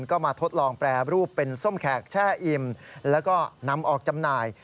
ก็มาทดลองแปรรูปเป็นส้มแขกแช่อิ่มแล้วก็นำออกจำหน่าย